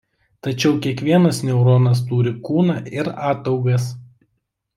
Tačiau kiekvienas neuronas turi kūną ir ataugas.